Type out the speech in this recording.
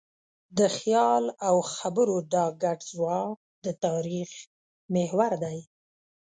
د خیال او خبرو دا ګډ ځواک د تاریخ محور دی.